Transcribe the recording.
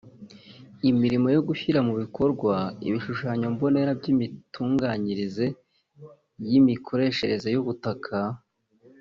imirimo yo gushyira mu bikorwa ibishushanyo mbonera by’imitunganyirize y’imikoreshereze y’ubutaka